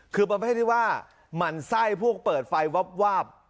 คือมันไม่ใช่ว่ามันไส้พวกเปิดไฟวาบ